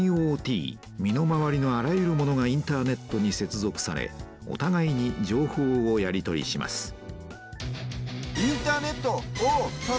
身の回りのあらゆるものがインターネットに接続されおたがいに情報をやり取りします